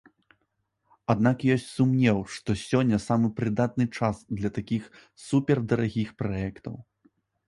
Аднак ёсць сумнеў, што сёння самы прыдатны час для такіх супердарагіх праектаў.